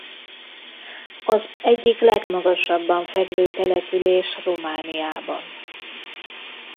Az egyik legmagasabban fekvő település Romániában.